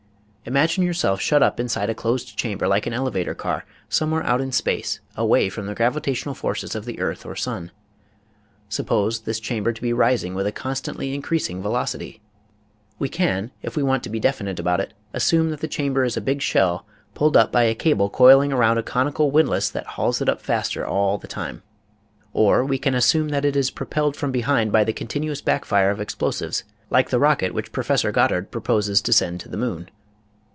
Imagine yourself shut up inside a closed chamber, like an elevator car, somewhere out in space away from the gravitational forces of the earth or sun. Suppose this chamber to be rising with a constantly increasing velocity. We can, if we want to be definite 84 EASY LESSONS IN EINSTEIN about it, assume that the chamber is a big shell pulled up by a cable coiling around a conical windlass that hauls it up faster all the time. Or we can assume that it is propelled from behind by the continuous backfire of explosives, like the rocket which Professor Goddard proposes to send to the moon.